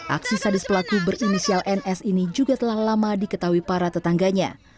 aksi sadis pelaku berinisial ns ini juga telah lama diketahui para tetangganya